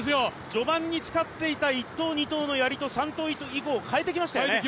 序盤に使っていた１投、２投のやりと、３投以降変えてきましたよね。